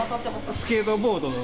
スケートボードの。